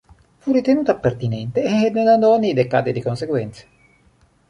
Fu ritenuta pertinente e Donadoni decadde di conseguenza.